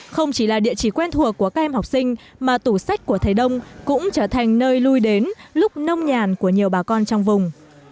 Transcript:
không chỉ là địa chỉ quen thuộc của các em học sinh mà tủ sách của thầy đông cũng trở thành nơi lui đến lúc nông nhàn của nhiều bà con trong vùng